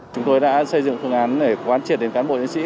chúng tôi đã xây dựng thương án để quan triệt đến cán bộ nhân sĩ